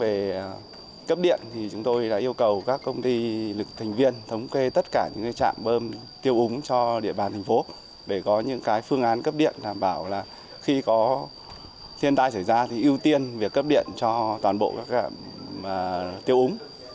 về cấp điện thì chúng tôi đã yêu cầu các công ty lực thành viên thống kê tất cả những trạm bơm tiêu úng cho địa bàn thành phố để có những phương án cấp điện đảm bảo là khi có thiên tai xảy ra thì ưu tiên việc cấp điện cho toàn bộ các tiêu úng